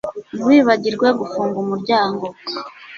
Ntiwibagirwe gufunga umuryango